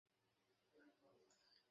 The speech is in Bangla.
উনার উপরের কর্মকর্তা।